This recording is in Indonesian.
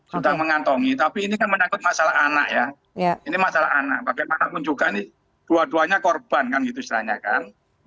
sudah mengantongi tapi ini kan menakut masalah anak ya ini masalah anak bagaimanapun juga ini dua duanya korban kan gitu istilahnya kan